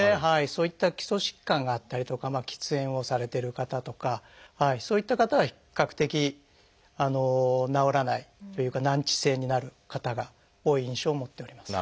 そういった基礎疾患があったりとか喫煙をされてる方とかそういった方は比較的治らないというか難治性になる方が多い印象を持っております。